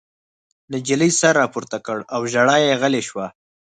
نجلۍ سر راپورته کړ او ژړا یې غلې شوه